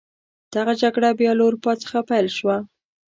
دغه جګړه بیا له اروپا څخه پیل شوه.